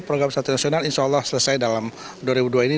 program satu nasional insya allah selesai dalam dua ribu dua ini